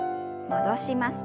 戻します。